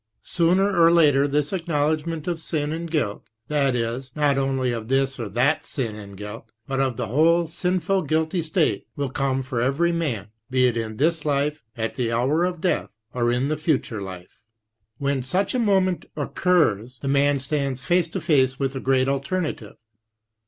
Sooner or later this acknowledgment of sin and guilt, that is, not only of this or that sin and guilt, but of the whole sinful guilty state, will come for every man, be it in this life, at the hour of death, or in the future life. When 136 PUNITIVE RIGHTEOUSNESS such a moment occurs, the man stands face to face with a great alternative.